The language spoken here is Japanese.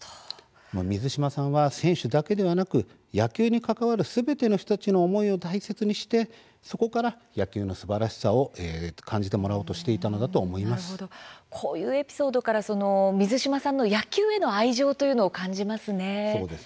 水島さんは選手だけでなく野球に関わるすべての人たちのすべての思いを大切にしてそこから野球のすばらしさを感じてもらおうとしていたのだとこういうエピソードから水島さんの野球への愛情というのを感じますね。